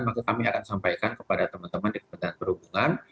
maka kami akan sampaikan kepada teman teman di kementerian perhubungan